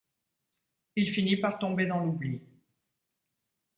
Il finit par tomber dans l'oubli.